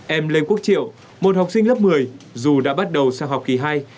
em lê quốc triệu một học sinh lớp một mươi dù đã bắt đầu sang học kỳ hai